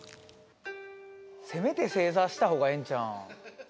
せめて正座したほうがええんちゃうん？